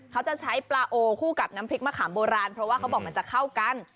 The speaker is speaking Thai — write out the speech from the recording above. เขาจะใช้ปลาโอคู่กับน้ำพริกมะขามโบราณเพราะว่าเขาบอกมันจะเข้ากัน